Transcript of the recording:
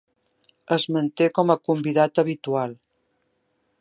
Es manté com a convidat habitual.